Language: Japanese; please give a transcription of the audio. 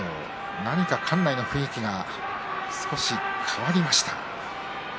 何か、館内の雰囲気が少し変わりました。